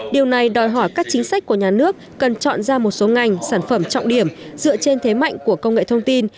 điều này đòi hỏi các chính sách của nhà nước cần chọn ra một số ngành sản phẩm trọng điểm dựa trên thế mạnh của công nghệ thông tin